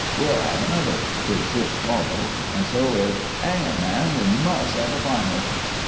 "We'll 'ave another" is sure to follow; and so is, "'Ang it, man! we must have a final."